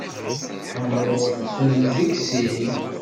Tḥemmleḍ-ten deg sin.